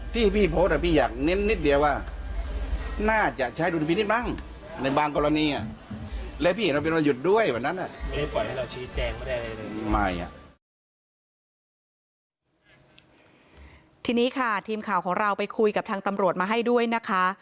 ทีนี้ค่ะทีมข่าวของเราไปคุยกับทางตำรวจมาให้ด้วยนะคะ